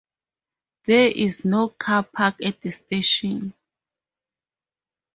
There is No car park at the station.